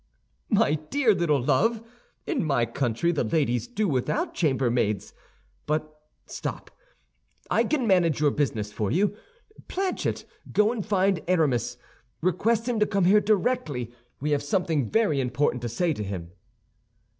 "My dear little love! In my country the ladies do without chambermaids. But stop! I can manage your business for you. Planchet, go and find Aramis. Request him to come here directly. We have something very important to say to him."